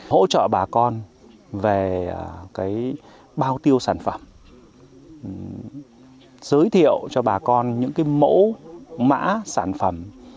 hỗ trợ bà con về bao tiêu sản phẩm giới thiệu cho bà con những mẫu mã sản phẩm